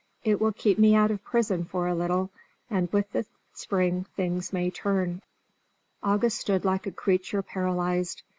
It will keep me out of prison for a little and with the spring things may turn " August stood like a creature paralysed.